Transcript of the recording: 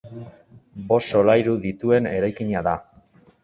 Bost solairu dituen eraikina da.